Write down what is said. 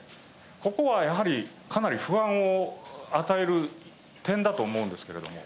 ここはやはり、かなり不安を与える点だと思うんですけれども。